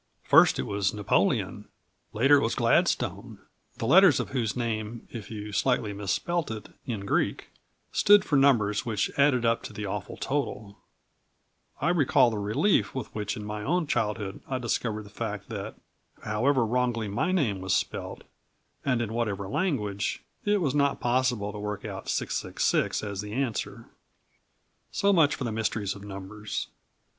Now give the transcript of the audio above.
First it was Napoleon; later it was Gladstone, the letters of whose name, if you slightly misspelt it in Greek, stood for numbers which added up to the awful total. I recall the relief with which in my own childhood I discovered the fact that, however wrongly my name was spelt, and in whatever language, it was not possible to work out 666 as the answer. So much for the mysteries of numbers.